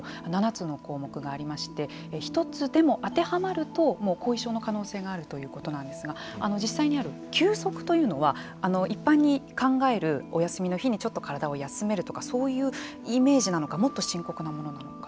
７つの項目がありまして１つでも当てはまるともう後遺症の可能性があるということなんですが実際にある休息というのは一般に考えるお休みの日にちょっと体を休めるとかそういうイメージなのかもっと深刻なものなのか。